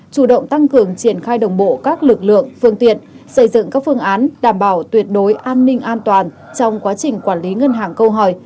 chủ động tăng cường triển khai đồng bộ các lực lượng phương tiện xây dựng các phương án đảm bảo tuyệt đối an ninh an toàn trong quá trình quản lý ngân hàng câu hỏi